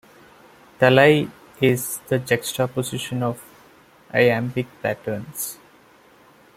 Thalai is the juxtaposition of iambic patterns.